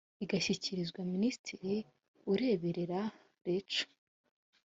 igashyikirizwa minisitiri ureberera reco